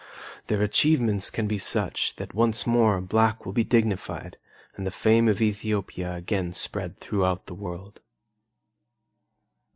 Their achievements can be such that once more black will be dignified and the fame of Ethiopia again spread throughout the world.